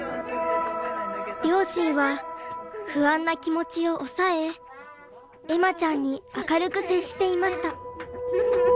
両親は不安な気持ちを抑え恵麻ちゃんに明るく接していました。